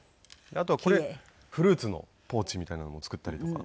あとはこれフルーツのポーチみたいなのも作ったりとか。